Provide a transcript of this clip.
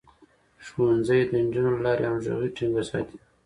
ښوونځی د نجونو له لارې همغږي ټينګه ساتي.